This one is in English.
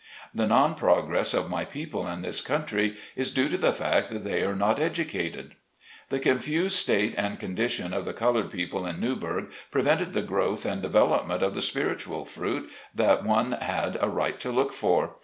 The non progress of my people in this country is due to the fact that they are not educated. The confused state and condition of the colored people in Newburgh prevented the growth and development of the spiritual fruit that one had a right to look for.